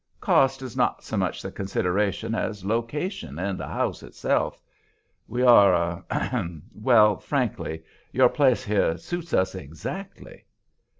Cost is not so much the consideration as location and the house itself. We are ahem! well, frankly, your place here suits us exactly."